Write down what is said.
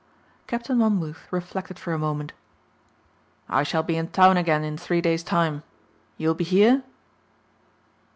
Captain Monmouth reflected for a moment. "I shall be in town again in three days' time. You'll be here?"